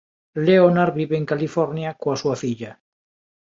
Leonard vive en California coa súa filla.